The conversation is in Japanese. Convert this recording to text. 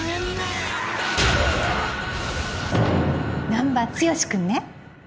難破剛君ね。